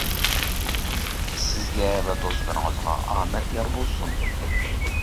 سىزگە ۋە دوستلىرىڭىزغا ئامەت يار بولسۇن!